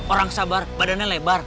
orang sabar badannya lebar